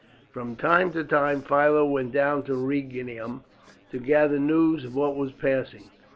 From time to time Philo went down to Rhegium to gather news of what was passing.